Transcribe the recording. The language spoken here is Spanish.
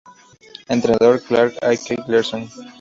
Entrenador: Carlk-Ake Larsen